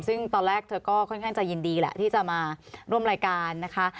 ซึ่งตอนแรกเธอก็ค่อนข้างจะยินดีแหละที่จะมาร่วมรายการนะคะ